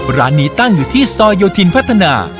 ร้านนี้ตั้งอยู่ที่ซอยโยธินพัฒนา